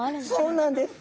そうなんです。